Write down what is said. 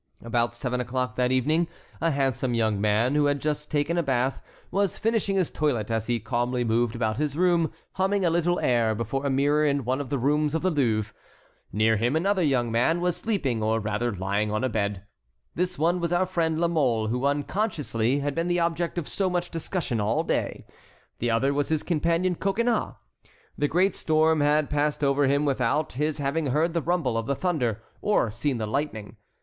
About seven o'clock that evening a handsome young man, who had just taken a bath, was finishing his toilet as he calmly moved about his room, humming a little air, before a mirror in one of the rooms of the Louvre. Near him another young man was sleeping, or rather lying on a bed. The one was our friend La Mole who, unconsciously, had been the object of so much discussion all day; the other was his companion Coconnas. The great storm had passed over him without his having heard the rumble of the thunder or seen the lightning.